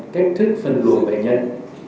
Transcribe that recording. cách thức phân luận bệnh nhân